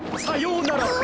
さようなら。